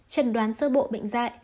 trần đoán sơ bộ bệnh dạy